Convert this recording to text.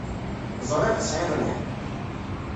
Ẓriɣ tesɛiḍ lḥeqq.